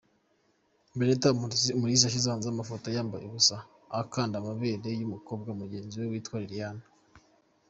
Benitha Umulisa yashyize hanze amafoto yambaye ubusa akanda amabere y’umukobwa mugenzi witwa Liliane.